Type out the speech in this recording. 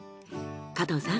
加藤さん